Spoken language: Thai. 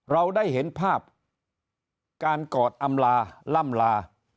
เราได้เห็นภาพการกอดอำลาล่ำลา